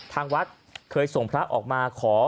ทางวัดเคยส่งพระออกมาขอ